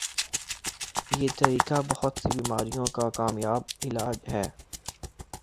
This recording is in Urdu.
یہ طریقہ بہت سی بیماریوں کا کامیابعلاج ہے